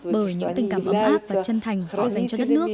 bởi những tình cảm ấm áp và chân thành dành cho đất nước